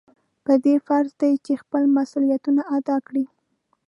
په ده فرض دی چې خپل مسؤلیتونه ادا کړي.